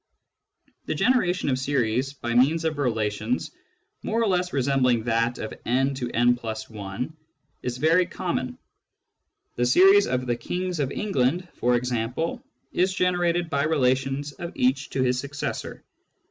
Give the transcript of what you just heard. The generation of series by means of relations more or less resembling that of n to w+i is very common. The series of the Kings of England, for example, is generated by relations of each to his successor.